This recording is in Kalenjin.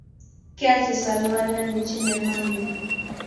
Kiachi solwo ayani chii ne maangen